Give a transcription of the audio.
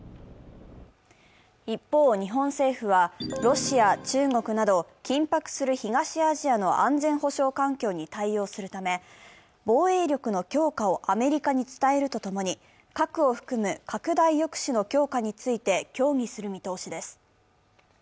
一方、日本政府はロシア、中国など緊迫する東アジアの安全保障環境に対応するため、防衛力の強化をアメリカに伝えるとともに核を含む拡大抑止の強化について協議する見通しです。